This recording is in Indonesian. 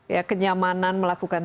ya kenyamanan melakukan